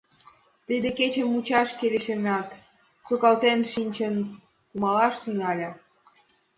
Тиде кече мучашке лишемат, сукалтен шинчын кумалаш тӱҥале: